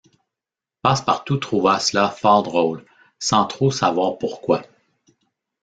Passepartout trouva cela fort drôle, sans trop savoir pourquoi.